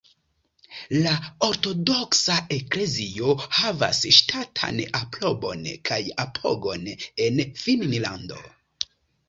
La ortodoksa eklezio havas ŝtatan aprobon kaj apogon en Finnlando.